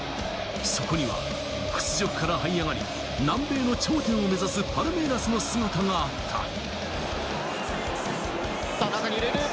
そこには屈辱から這い上がり、南米の頂点を目指すパルメイラスの姿があった。